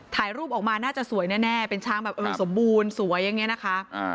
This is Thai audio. ถ่ายรูปออกมาน่าจะสวยแน่เป็นช้างแบบเออสมบูรณ์สวยอย่างนี้นะคะ